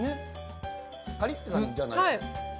カリッという感じじゃない。